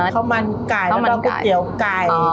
ข้าวมันไก่แล้วก็ก๋วยเตี๋ยวไก่